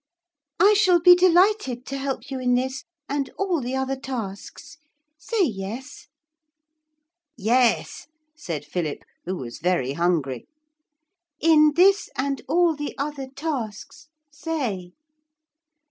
'I shall be delighted to help you in this and all the other tasks. Say yes.' 'Yes,' said Philip, who was very hungry. '"In this and all the other tasks" say.'